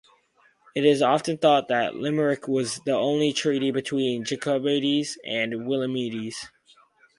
It is often thought that Limerick was the only treaty between Jacobites and Williamites.